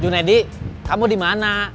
junedi kamu di mana